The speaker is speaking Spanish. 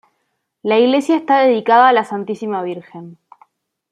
La iglesia está dedicada a la Santísima Virgen.